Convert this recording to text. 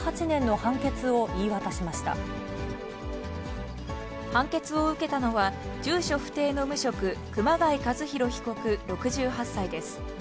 判決を受けたのは、住所不定の無職、熊谷和洋被告６８歳です。